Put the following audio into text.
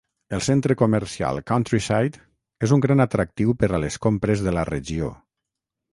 El centre comercial Countryside és un gran atractiu per a les compres de la regió.